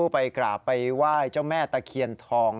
ไปกราบไปไหว้เจ้าแม่ตะเคียนทอง